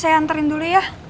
saya anterin dulu ya